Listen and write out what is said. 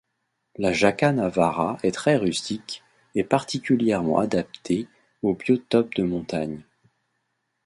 La Jaca Navarra est très rustique, et particulièrement adaptée aux biotopes de montagne.